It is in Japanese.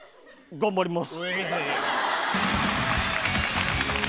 頑張ります。